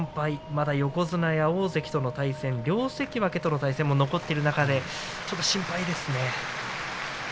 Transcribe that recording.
まだ横綱や大関との対戦両関脇との対戦も残っている中でちょっと心配ですね。